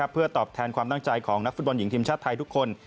เพื่อตอบแทนความตั้งใจของนักฟุตบอลหญิงทีมชาติไทยทุกคน